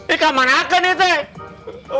eh kamanakan ya teh